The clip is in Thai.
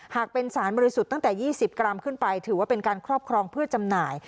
หากเป็นสารบริสุทธิ์ตั้งแต่๒๐กรัมขึ้นไปถือว่าเป็นการครอบครองเพื่อจำหน่าย